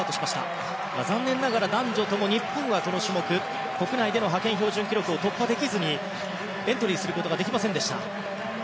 残念ながら男女とも日本はこの種目国内での派遣標準記録を突破できずにエントリーすることができませんでした。